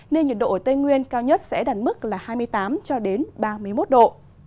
nên nhiệt độ ở tây nguyên cao nhất sẽ đạt mức là hai mươi tám ba mươi một độ